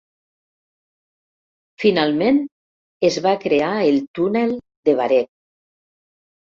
Finalment, es va crear el túnel de Baregg.